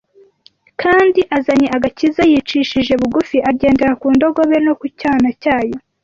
kandi azanye agakiza yicishije bugufi, agendera ku ndogobe no ku cyana cyayo."